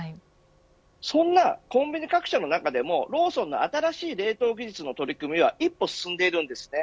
そんなコンビニ各社の中でもローソンの新しい冷凍技術の取り組みは一歩進んでいるんですね。